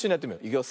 いくよ。